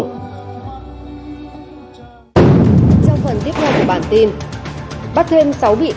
trong phần tiếp theo của bản tin